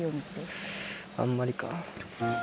あんまりか。